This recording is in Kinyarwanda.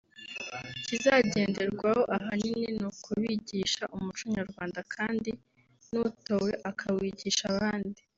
ikizagenderwaho ahanini ni ukubigisha umuco nyarwanda kandi n’utowe akawigisha abandi